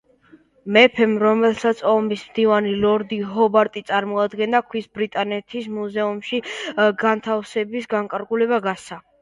მეფემ, რომელსაც ომის მდივანი ლორდი ჰობარტი წარმოადგენდა, ქვის ბრიტანეთის მუზეუმში განთავსების განკარგულება გასცა.